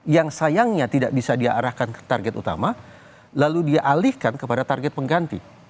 yang sayangnya tidak bisa dia arahkan ke target utama lalu dia alihkan kepada target pengganti